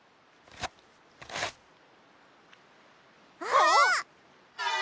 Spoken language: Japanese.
あっ！